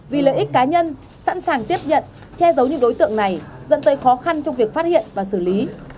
vì lợi ích cá nhân sẵn sàng tiếp nhận che giấu những đối tượng này dẫn tới khó khăn trong việc phát hiện và xử lý